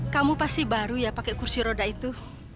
kamu pasti baru ya pakai kursi roda itu